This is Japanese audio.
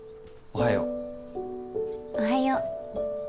おはよう。